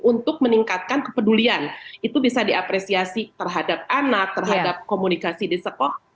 untuk meningkatkan kepedulian itu bisa diapresiasi terhadap anak terhadap komunikasi di sekolah